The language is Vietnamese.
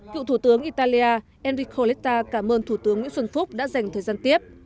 cựu thủ tướng italia enrico letta cảm ơn thủ tướng nguyễn xuân phúc đã dành thời gian tiếp